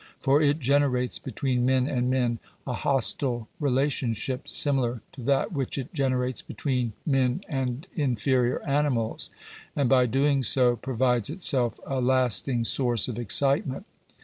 For it generates between men and men a hostile relationship, similar to that which it generates between men and inferior animals ; and by doing so provides itself a lasting source of excitement.